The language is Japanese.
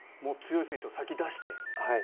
強い選手を先に出して？